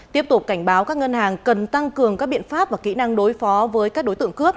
tiếp tục cảnh báo các ngân hàng cần tăng cường các biện pháp và kỹ năng đối phó với các đối tượng cướp